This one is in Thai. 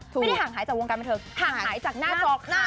ไม่ได้ห่างหายจากวงการบันเทิงห่างหายจากหน้าจอค่ะ